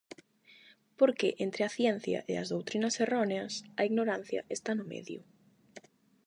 Porque entre a ciencia e as doutrinas erróneas, a ignorancia está no medio.